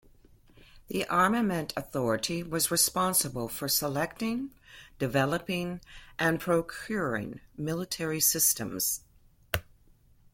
The Armament Authority was responsible for selecting, developing, and procuring military systems.